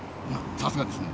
さすがですね！